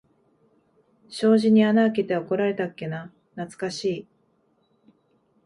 障子に穴あけて怒られたっけな、なつかしい。